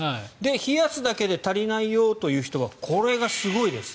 冷やすだけで足りないよという人はこれがすごいです。